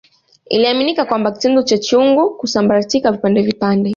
Iliaminika kwamba kitendo cha chungu kusambaratika vipande vipande